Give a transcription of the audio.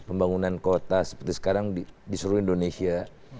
pembangunan kota seperti sekarang disuruh indonesia